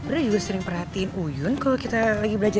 seemid apelis jadi perhatikanilian beautiful kita lagi belajar